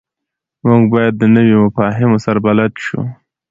موږ باید د نویو مفاهیمو سره بلد شو.